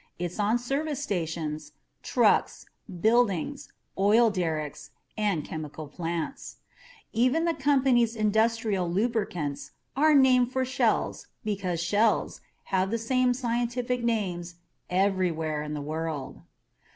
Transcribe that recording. It's on service stations, trucks, buildings, oil derricks and chemical plants. Even the company's industrial lubricants are named for shells because shells have the same scientific names everywhere in the world.